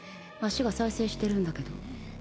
足が再生してるんだけど